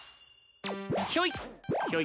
ひょい。